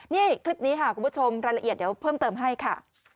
นี่คลิปนี้ค่ะคุณผู้ชมรายละเอียดเดี๋ยวเพิ่มเติมให้ค่ะ